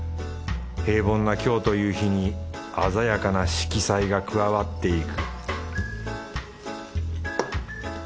平凡な今日という日に鮮やかな色彩が加わっていく